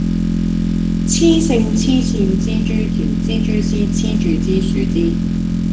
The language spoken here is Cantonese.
雌性黐線蜘蛛條蜘蛛絲黐住枝樹枝